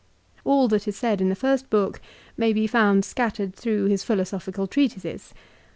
All that is said in the first book may be found scattered through his philosophic treatises.